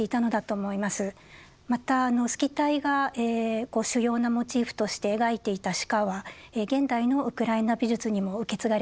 またあのスキタイが主要なモチーフとして描いていた鹿は現代のウクライナ美術にも受け継がれています。